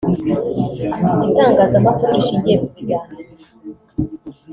a) Itangazamakuru rishingiye ku biganiro